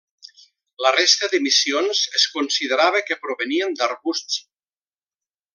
La resta d'emissions es considerava que provenien d'arbusts.